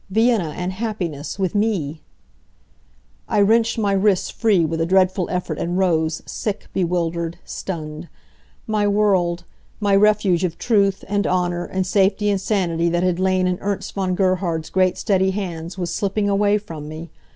Vienna and happiness with me " I wrenched my wrists free with a dreadful effort and rose, sick, bewildered, stunned. My world my refuge of truth, and honor, and safety and sanity that had lain in Ernst von Gerhard's great, steady hands, was slipping away from me.